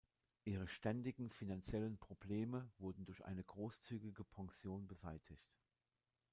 Ihre ständigen finanziellen Probleme wurden durch eine großzügige Pension beseitigt.